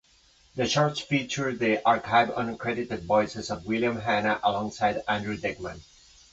The shorts featured the archived uncredited voices of William Hanna alongside Andrew Dickman.